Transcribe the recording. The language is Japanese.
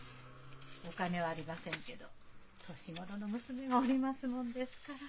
お金はありませんけど年頃の娘がおりますもんですから。